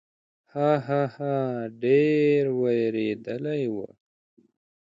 ها، ها، ها، ډېر وېرېدلی و.